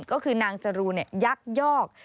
ก็คือนางจรูนยักยอก